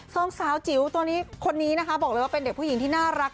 สองสาวจิ๋วตัวนี้คนนี้นะคะบอกเลยว่าเป็นเด็กผู้หญิงที่น่ารัก